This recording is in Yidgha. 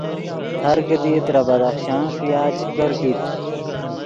ہر کیدی ترے بدخشان ݰویا چے کرکیت